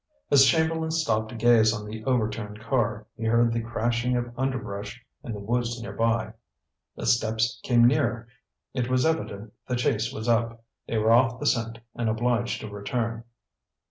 As Chamberlain stopped to gaze on the overturned car, he heard the crashing of underbrush in the woods near by. The steps came nearer. It was evident the chase was up; they were off the scent and obliged to return.